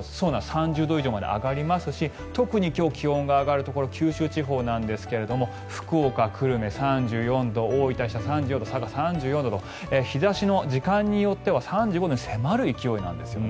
３０度以上まで上がりますし特に今日、気温が上がるところ九州地方なんですが福岡久留米、３４度大分の日田、３４度佐賀、３４度と日差しの時間によっては３５度に迫る勢いなんですね。